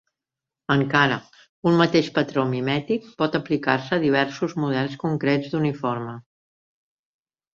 Encara: un mateix patró mimètic pot aplicar-se a diversos models concrets d'uniforme.